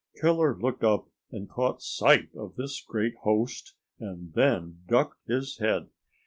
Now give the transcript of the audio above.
Killer looked up and caught sight of this great host, and then ducked his head.